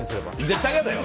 絶対やだよ。